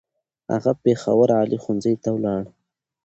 هغه پېښور عالي ښوونځی ته ولاړ.